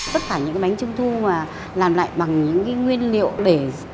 tất cả những bánh trung thu làm lại bằng những nguyên liệu để